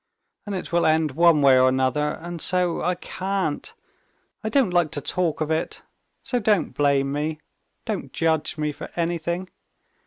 And it will end one way or another, and so I can't, I don't like to talk of it. So don't blame me, don't judge me for anything.